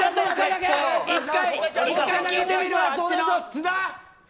津田。